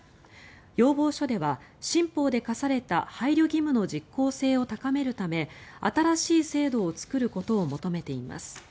要望書では新法で課された配慮義務の実効性を高めるため新しい制度を作ることを求めています。